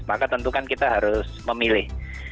maka tentu kan kita harus memilih